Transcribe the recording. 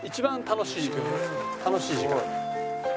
楽しい時間。